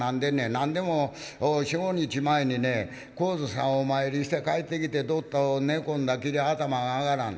「なんでも４５日前にね高津さんお参りして帰ってきてドッと寝込んだきり頭が上がらん。